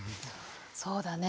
そうだね。